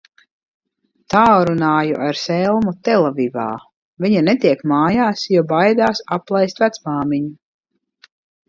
Tālrunāju ar Selmu Telavivā, viņa netiek mājās, jo baidās aplaist vecmāmiņu.